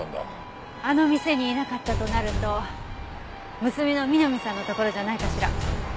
あの店にいなかったとなると娘の美波さんのところじゃないかしら？